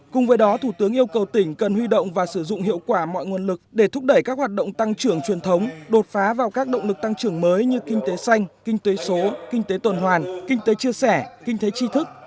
cùng với đó thủ tướng yêu cầu tỉnh cần huy động và sử dụng hiệu quả mọi nguồn lực để thúc đẩy các hoạt động tăng trưởng truyền thống đột phá vào các động lực tăng trưởng mới như kinh tế xanh kinh tế số kinh tế tuần hoàn kinh tế chia sẻ kinh tế tri thức